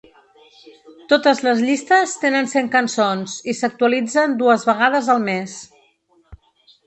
Totes les llistes tenen cent cançons i s’actualitzen dues vegades el mes.